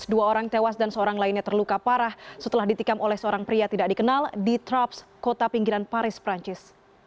dua orang tewas dan seorang lainnya terluka parah setelah ditikam oleh seorang pria tidak dikenal di traps kota pinggiran paris perancis